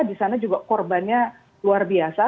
di sana juga korbannya luar biasa